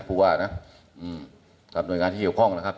ผู้ว่านะกับหน่วยงานที่เกี่ยวข้องนะครับ